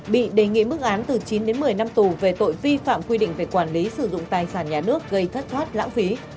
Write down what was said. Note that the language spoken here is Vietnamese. bị đề nghị mức án từ chín đến một mươi năm tù về tội vi phạm quy định về quản lý sử dụng tài sản nhà nước gây thất thoát lãng phí